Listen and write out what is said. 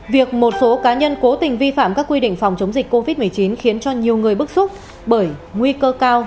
việc một số cá nhân cố tình vi phạm các quy định phòng chống dịch covid một mươi chín khiến cho nhiều người bức xúc bởi nguy cơ cao